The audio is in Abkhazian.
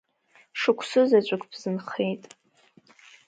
Шықәсы заҵәык бзынхеит.